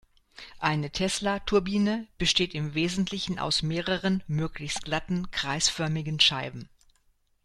Eine Tesla-Turbine besteht im Wesentlichen aus mehreren möglichst glatten, kreisförmigen Scheiben.